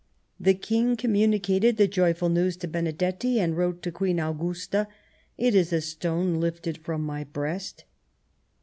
The King communicated the joyful news to Benedetti, and wrote to Queen Augusta :" It is a stone lifted from my breast."